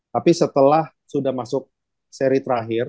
tapi setelah sudah masuk seri terakhir